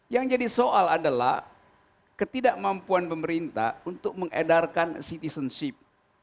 yang jadi soal adalah ketidakmampuan pemerintah untuk mengedarkan citizenship